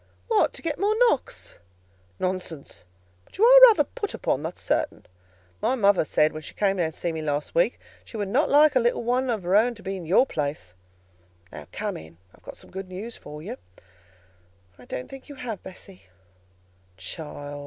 "What! to get more knocks?" "Nonsense! But you are rather put upon, that's certain. My mother said, when she came to see me last week, that she would not like a little one of her own to be in your place.—Now, come in, and I've some good news for you." "I don't think you have, Bessie." "Child!